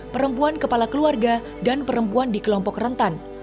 perempuan kepala keluarga dan perempuan di kelompok rentan